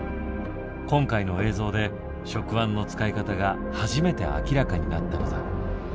今回の映像で触腕の使い方が初めて明らかになったのだ。